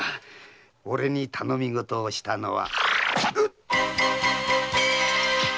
俺に頼みごとをしたのは。